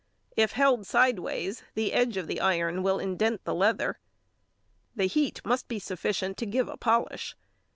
If held sideways the edge of the iron will indent the leather. The heat must be sufficient to give a polish.